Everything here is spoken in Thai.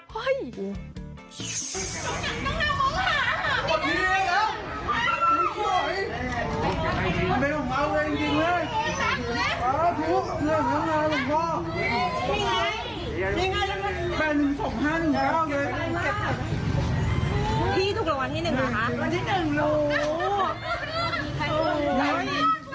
ดีตวกรางวัลที่หนึ่งค่ะ